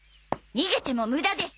逃げても無駄です。